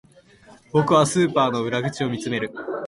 僕はスーパーの裏口を見つめる